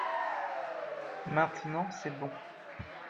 Maintenant c’est bon.